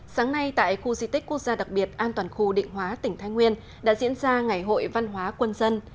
sáng nay tại khu di tích quốc gia đặc biệt an toàn khu định hóa tỉnh thái nguyên đã diễn ra ngày hội văn hóa quân dân